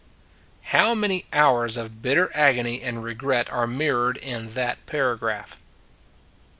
How many hours of bitter agony and regret are mirrored in that paragraph!